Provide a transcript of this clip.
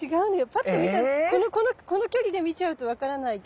パッと見てこの距離で見ちゃうと分からないけど。